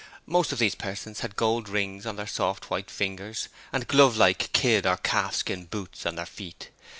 Most of these persons had gold rings on their soft white fingers and glove like kid or calfskin boots on their feet.